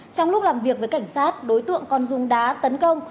trong lúc làm việc với cảnh sát đối tượng con dung đá tấn công